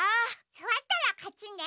すわったらかちね。